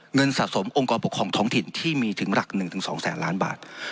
เงินสะสมองค์กรปกครองท้องถิ่นที่มีถึงหลัก๑๒แสนล้านบาท